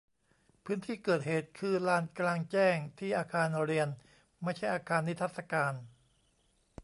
พื้นที่เกิดเหตุคือลานกลางแจ้งที่อาคารเรียนไม่ใช่อาคารนิทรรศการ